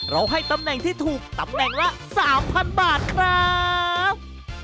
ให้ตำแหน่งที่ถูกตำแหน่งละ๓๐๐บาทครับ